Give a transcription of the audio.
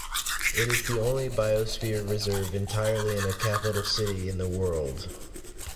It is the only Biosphere Reserve entirely in a capital city in the world.